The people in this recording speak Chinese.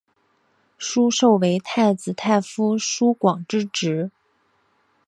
疏受为太子太傅疏广之侄。